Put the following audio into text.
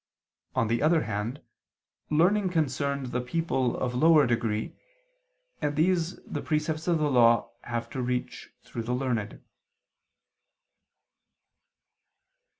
On the other hand learning concerned the people of lower degree, and these the precepts of the Law have to reach through the learned.